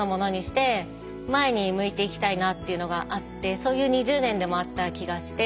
そういう２０年でもあった気がして。